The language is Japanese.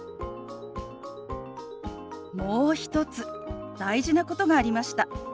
もう一つ大事なことがありました。